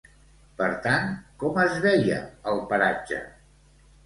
Per tant, com es veia el paratge?